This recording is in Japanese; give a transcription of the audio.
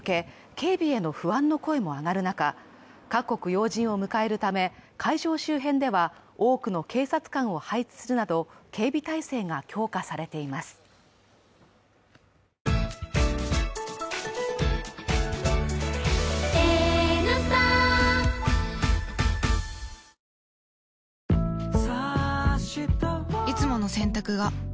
警備への不安の声も上がる中、各国要人を迎えるため会場周辺では多くの警察官を配置するなどいつもの洗濯が